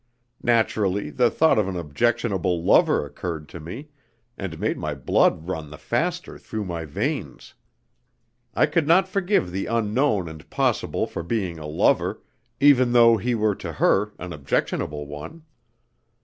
Naturally, the thought of an objectionable lover occurred to me, and made my blood run the faster through my veins. I could not forgive the unknown and possible for being a lover, even though he were to her an objectionable one.